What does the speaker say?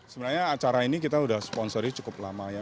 sebenarnya acara ini kita sudah sponsori cukup lama ya